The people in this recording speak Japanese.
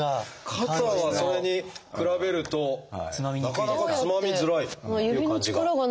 肩はそれに比べるとなかなかつまみづらいという感じが。